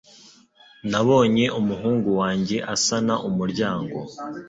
Nabonye umuhungu wanjye asana umuryango